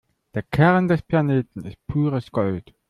Der Kern des Planeten ist pures Gold.